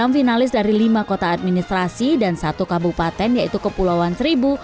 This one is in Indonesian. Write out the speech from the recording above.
enam finalis dari lima kota administrasi dan satu kabupaten yaitu kepulauan seribu